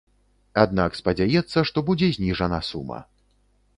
Аднак спадзяецца, што будзе зніжана сума.